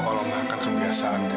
kalau nggak akan kembali